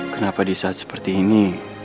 kenapa di saat seperti ini